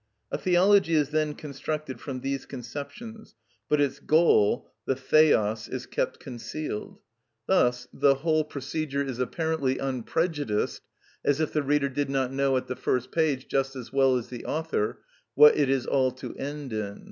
A theology is then constructed from these conceptions, but its goal, the θεος, is kept concealed; thus the whole procedure is apparently unprejudiced, as if the reader did not know at the first page, just as well as the author, what it is all to end in.